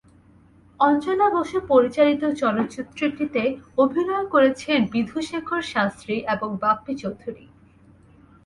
অঞ্জনা বসু পরিচালিত চলচ্চিত্রটিতে অভিনয় করেন বিধুশেখর শাস্ত্রী এবং বাপ্পি চৌধুরী।